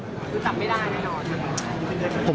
คือจับไม่ได้แน่นอนค่ะ